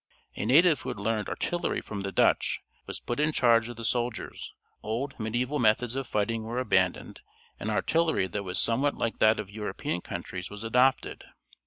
A native who had learned artillery from the Dutch was put in charge of the soldiers; old mediæval methods of fighting were abandoned, and artillery that was somewhat like that of European countries was adopted.